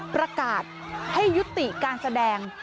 ประกาศให้ยุติการแสดง